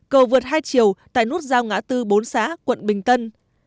cầu vượt hai chiều tại nút giao ngã tư bốn xã quận bình tân